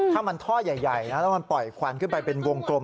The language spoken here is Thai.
ถ้ามันท่อใหญ่นะแล้วมันปล่อยควันขึ้นไปเป็นวงกลม